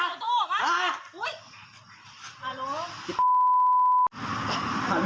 โทษค่ะโทษค่ะ